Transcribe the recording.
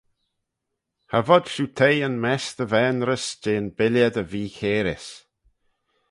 Cha vod shiu teih yn mess dy vaynrys jeh yn billey dy veechairys.